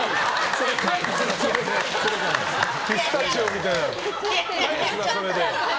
それ、ピスタチオみたいな。